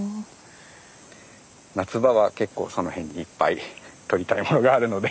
夏場は結構その辺にいっぱい撮りたいものがあるので。